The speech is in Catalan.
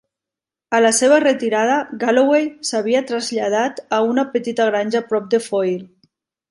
A la seva retirada, Galloway s'havia traslladat a una petita granja a prop de Foyil.